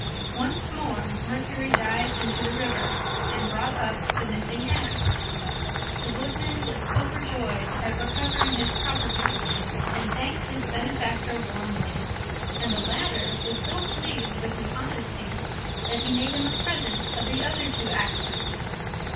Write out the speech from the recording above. Once more Mercury dived into the river, and brought up the missing axe. The Woodman was overjoyed at recovering his property, and thanked his benefactor warmly; and the latter was so pleased with his honesty that he made him a present of the other two axes.